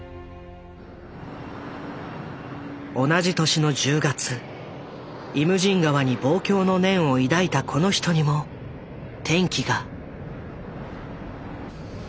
同じ年の１０月「イムジン河」に望郷の念を抱いたこの人にも転機が。